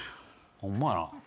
ホンマやな。